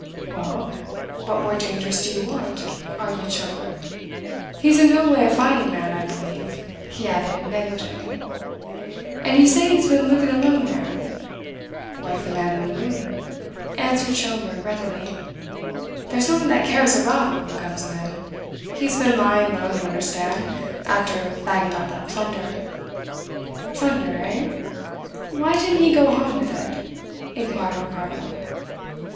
"Well, what more dangerous do you want?" argued Schomberg. "He's in no way a fighting man, I believe," he added negligently. "And you say he has been living alone there?" "Like the man in the moon," answered Schomberg readily. "There's no one that cares a rap what becomes of him. He has been lying low, you understand, after bagging all that plunder." "Plunder, eh? Why didn't he go home with it?" inquired Ricardo.